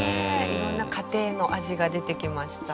色んな家庭の味が出てきました。